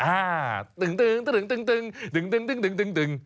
อ่าตึงตึง